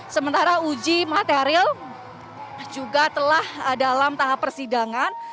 sementara uji material juga telah dalam tahap persidangan